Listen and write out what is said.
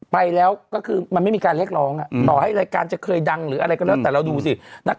ไปแล้วก็คือมันไม่มีการเรียกร้องต่อให้รายการจะเคยดังหรืออะไรก็แล้วแต่เราดูสิ